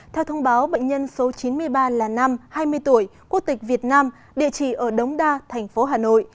theo thông báo bệnh nhân số chín mươi ba là nam hai mươi tuổi quốc tịch việt nam địa chỉ ở đống đa thành phố hà nội